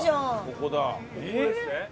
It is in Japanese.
ここですね。